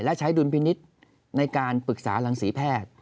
และใช้ดุลพินิษฐ์ในการปรึกษารังศรีแพทย์